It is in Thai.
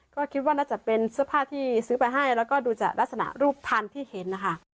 ก็คิดว่าน่าจะเป็นเสื้อผ้าที่ซื้อไปให้แล้วก็ดูจากลักษณะรูปภัณฑ์ที่เห็นนะคะ